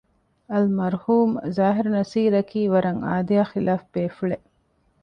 އަލްމަރްޙޫމް ޒާހިރު ނަޞީރަކީ ވަރަށް އާދަޔާ ޚިލާފު ބޭފުޅެއް